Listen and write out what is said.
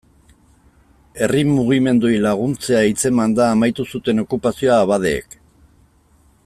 Herri mugimenduei laguntzea hitzemanda amaitu zuten okupazioa abadeek.